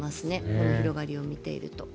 この広がりを見ていると。